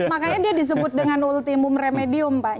makanya dia disebut dengan ultimum remedium pak